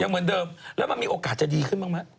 เหมือนเดิมแล้วมันมีโอกาสจะดีขึ้นบ้างไหม